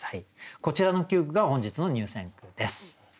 こちらの９句が本日の入選句です。